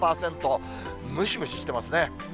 ムシムシしてますね。